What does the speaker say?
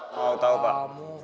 mau tahu pak